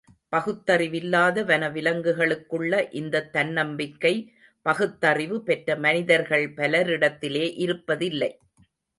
பகுத்தறிவில்லாத வனவிலங்குகளுக்குள்ள இந்தத் தன்னம்பிக்கை—பகுத்தறிவு பெற்ற மனிதர்கள் பலரிடத்திலே இருப்பதில்லை.